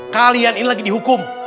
kalian ini lagi dihukum